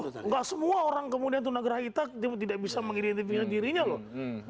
nggak semua orang kemudian tuh gerah hitam tidak bisa mengidentifikasi dirinya loh